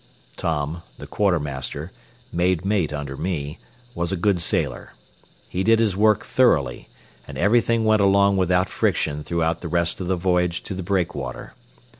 Tom, the quartermaster, made mate under me, was a good sailor. He did his work thoroughly, and everything went along without friction throughout the rest of the voyage to the Breakwater.